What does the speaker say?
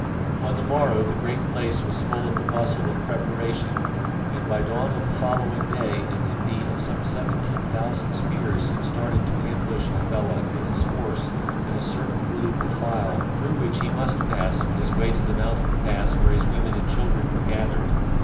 On the morrow the Great Place was full of the bustle of preparation, and by dawn of the following day an impi of some seventeen thousand spears had started to ambush Hafela and his force in a certain wooded defile through which he must pass on his way to the mountain pass where his women and children were gathered.